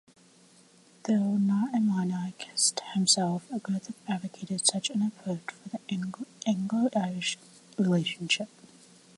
Though not a monarchist himself, Griffith advocated such an approach for the Anglo-Irish relationship.